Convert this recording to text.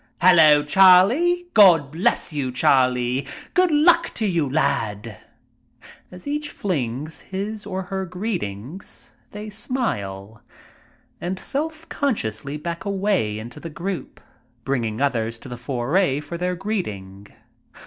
"Hello, Charlie!" "God bless you, Charlie!" "Good luck to you, lad!" As each flings his or her greetings they smile and self consciously back away into the group, bring ing others to the fore for their greeting.